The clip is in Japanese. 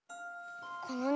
このね